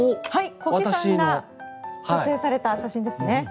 小木さんが撮影された写真ですね。